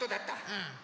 うん。